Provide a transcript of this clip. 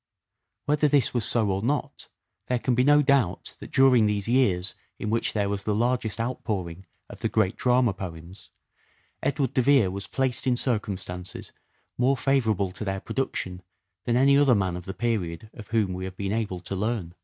Whether this was so or not, there can be no doubt that during these years in which there was the largest outpouring of the great drama poems, Edward de Vere was placed in circumstances more favourable to their production than any other man of the period of whom we have been able to learn.